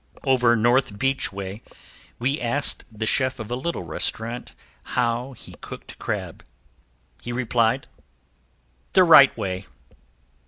Over North Beach way we asked the chef of a little restaurant how he cooked crab. He replied: "The right way."